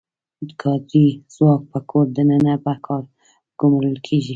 کاري ځواک په کور دننه په کار ګومارل کیږي.